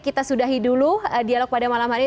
kita sudahi dulu dialog pada malam hari ini